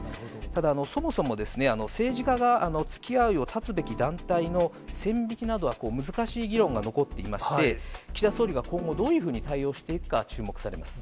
ただ、そもそも、政治家がつきあいを断つべき団体の線引きなどは難しい議論が残っていまして、岸田総理が今後、どういうふうに対応していくか注目されます。